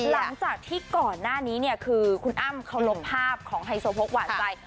หลังจากที่ก่อนหน้านี้เนี่ยคือคุณอ้ำเขาลบภาพของไฮโซโพกหวานใจ